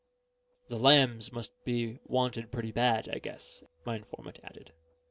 "The Lambs must be wanted pretty bad, I guess," my informant added.